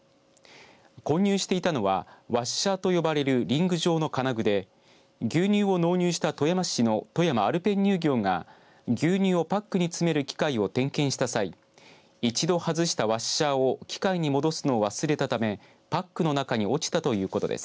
混入していたのはワッシャーと呼ばれるリング状の金具で牛乳を納入した富山市のとやまアルペン乳業が牛乳をパックに詰める機械を点検した際一度外したワッシャーを機械に戻すの忘れたためパックの中に落ちたということです。